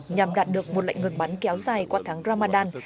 nhằm đạt được một lệnh ngừng bắn kéo dài qua tháng ramadan